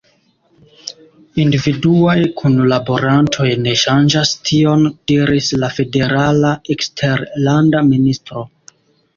Individuaj kunlaborantoj ne ŝanĝas tion," diris la Federala Eksterlanda Ministro.